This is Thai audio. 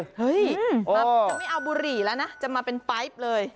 เฮ่ยจำนี้เอาบุรีแล้วนะจะมาเป็นไปป์เลย